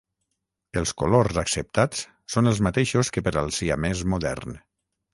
Els colors acceptats són els mateixos que per al siamès modern.